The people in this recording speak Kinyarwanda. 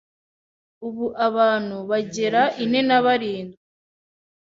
Ubu abantu bagera ine nabarindwi